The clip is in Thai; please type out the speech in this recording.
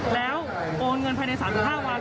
แล้วโอนเงินภายใน๓๕วัน